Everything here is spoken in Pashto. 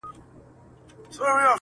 سینه غواړمه چي تاب د لمبو راوړي,